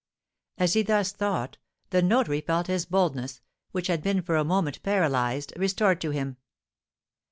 As he thus thought, the notary felt his boldness, which had been for a moment paralysed, restored to him.